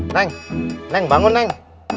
neng neng bangun neng